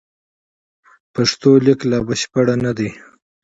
پښتو لیک لا بشپړ نه دی.